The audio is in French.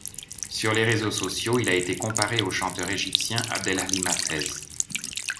Sur les réseaux sociaux, il a été comparé au chanteur égyptien Abdel Halim Hafez.